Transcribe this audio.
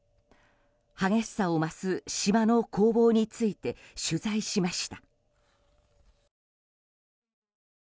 激しさを増す島の攻防について取材しました。